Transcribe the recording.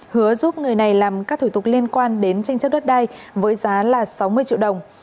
hứa giúp người này làm các thủ tục liên quan đến tranh chấp đất đai với giá là sáu mươi triệu đồng